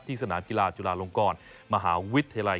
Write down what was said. สนามกีฬาจุฬาลงกรมหาวิทยาลัย